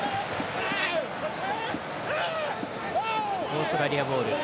オーストラリア、ボール。